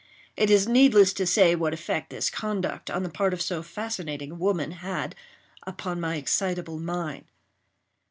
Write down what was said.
It is needless to say what effect this conduct, on the part of so fascinating a woman, had upon my excitable mind.